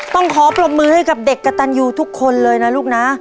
ต้องขอปรบมือให้กับเด็กกระตันยูทุกคนเลยนะลูกนะ